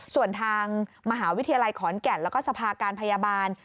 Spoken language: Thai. ส่วนทางมหาวิทยาลัยขอนแก่นแล้วก็สภาการพยาบาล